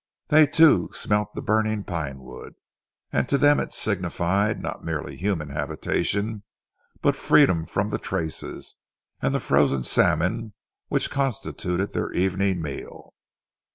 They too smelt the burning pinewood, and to them it signified not merely human habitation, but freedom from the traces, and the frozen salmon which constituted their evening meal.